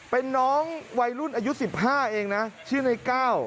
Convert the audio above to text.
เป็นน้องวัยรุ่นอายุ๑๕เองนะชื่อในก้าว